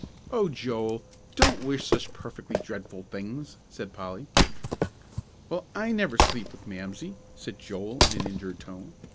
"Oh, Joel, don't wish such perfectly dreadful things," said Polly. "Well, I never sleep with Mamsie," said Joel, in an injured tone.